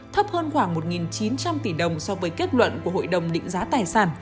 thấp hơn khoảng một chín trăm linh tỷ đồng so với kết luận của hội đồng định giá tài sản